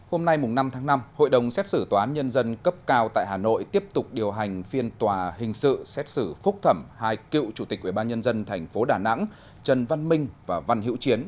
hôm nay năm tháng năm hội đồng xét xử tòa án nhân dân cấp cao tại hà nội tiếp tục điều hành phiên tòa hình sự xét xử phúc thẩm hai cựu chủ tịch ubnd tp đà nẵng trần văn minh và văn hiễu chiến